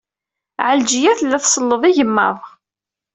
Ɛelǧiya tella tselleḍ igmaḍ.